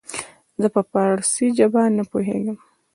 زه په پاړسي زبه نه پوهيږم